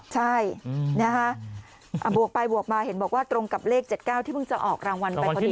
ใช่นะคะบวกไปบวกมาเห็นบอกว่าตรงกับเลข๗๙ที่เพิ่งจะออกรางวัลไปพอดี